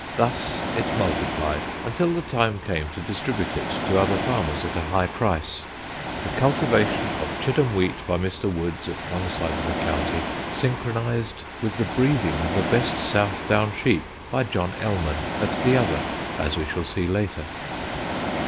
Thus it multiplied, until the time came to distribute it to other farmers at a high price. The cultivation of Chidham wheat by Mr. Woods at one side of the county, synchronised with the breeding of the best Southdown sheep by John Ellman at the other, as we shall see later.